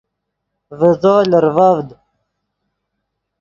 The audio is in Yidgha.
ڤے تو لرڤڤد